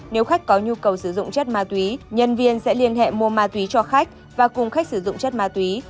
nếu khách có nhu cầu sử dụng chất ma túy nhân viên sẽ liên hệ mua ma túy cho khách và cùng khách sử dụng chất ma túy